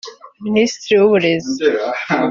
Minisitiri w’Uburezi